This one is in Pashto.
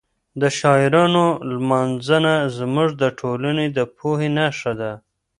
د شاعرانو لمانځنه زموږ د ټولنې د پوهې نښه ده.